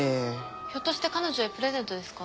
ひょっとして彼女へプレゼントですか？